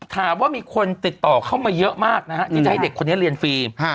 ถามว่ามีคนติดต่อเข้ามาเยอะมากนะฮะที่จะให้เด็กคนนี้เรียนฟรี